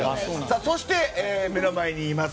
そして、目の前にいます